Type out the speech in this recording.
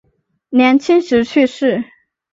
年轻时去世。